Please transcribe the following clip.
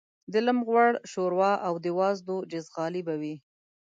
د لېم غوړ شوروا او د وازدو جیزغالي به وې.